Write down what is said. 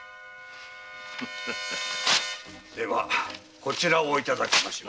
ではこちらをいただきましょう。